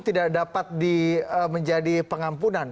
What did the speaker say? tidak dapat menjadi pengampunan